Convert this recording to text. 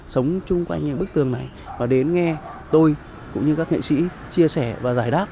sống chung quanh bức tường này và đến nghe tôi cũng như các nghệ sĩ chia sẻ và giải đáp